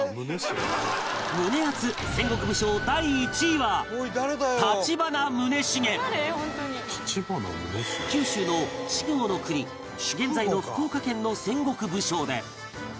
胸アツ戦国武将第１位は九州の筑後国現在の福岡県の戦国武将で